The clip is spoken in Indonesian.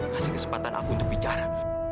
kasih kesempatan aku untuk bicara